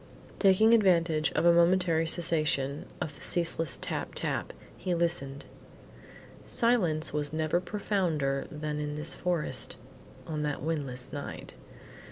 Taking advantage of a momentary cessation of the ceaseless tap tap, he listened. Silence was never profounder than in this forest on that windless night.